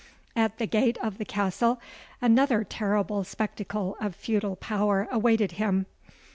At the gate of the castle another terrible spectacle of feudal power awaited him.